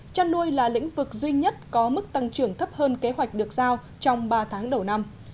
chăn nuôi là lĩnh vực duy nhất có mức tăng trưởng thấp hơn kế hoạch được giao trong ba tháng đầu năm